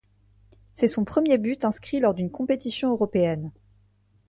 C'est son premier but inscrit lors d'une compétition européenne.